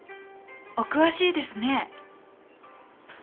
お詳しいですね。